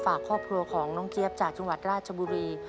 ฝากครอบครัวของน้องเจี๊ยบจากจังหวัดราชบุรี